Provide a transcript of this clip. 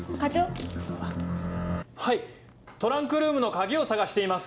はいトランクルームの鍵を捜しています。